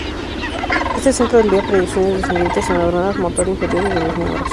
Este centro envía proyecciones descendentes a neuronas motor inferiores de los miembros.